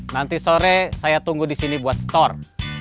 nanti sore saya tunggu disini buat store